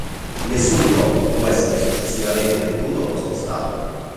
Nessun blocco può essere successivamente venduto o spostato.